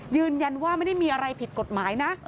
ยืนยันว่าไม่ได้มีอะไรผิดกฎหมายนะ